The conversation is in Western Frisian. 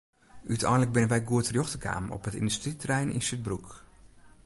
Uteinlik binne wy goed terjochte kaam op it yndustryterrein yn Súdbroek.